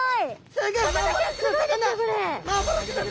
すギョい！